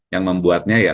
yang membuatnya yaa